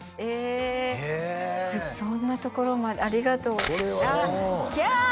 そんなところまでありがとうあっキャー！